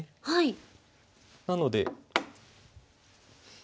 はい。